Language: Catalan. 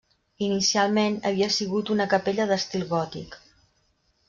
Inicialment havia sigut una capella d'estil gòtic.